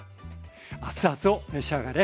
熱々を召し上がれ。